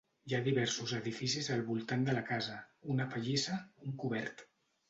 Hi ha diversos edificis al voltant de la casa: una pallissa, un cobert.